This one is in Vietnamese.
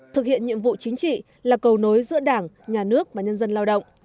thực hiện nhiệm vụ chính trị là cầu nối giữa đảng nhà nước và nhân dân lao động